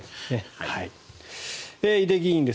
井手議員です。